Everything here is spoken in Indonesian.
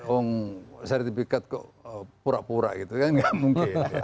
om sertifikat kok pura pura gitu kan nggak mungkin